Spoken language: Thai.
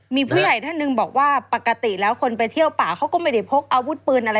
มีผู้ใหญ่ท่านหนึ่งบอกว่าปกติแล้วคนไปเที่ยวป่าเขาก็ไม่ได้พกอาวุธปืนอะไร